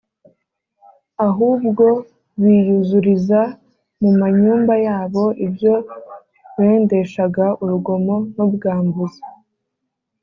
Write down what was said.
ahubwo biyuzuriza mu manyumba yabo ibyo bendeshaga urugomo n’ubwambuzi.”